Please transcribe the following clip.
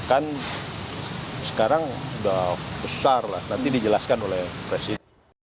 kan sekarang sudah besar lah nanti dijelaskan oleh presiden